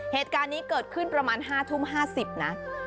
เหตุการณ์นี้เกิดขึ้นประมาณ๕ทุ่ม๕๐นะ